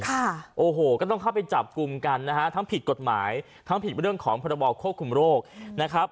ค่ะโอ้โหก็ต้องเข้าไปจับกลุ่มกันนะฮะทั้งผิดกฎหมายทั้งผิดเรื่องของพรบควบคุมโรคนะครับ